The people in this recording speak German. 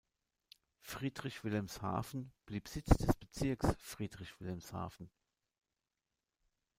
Friedrich-Wilhelmshafen blieb Sitz des Bezirks Friedrich-Wilhelmshafen.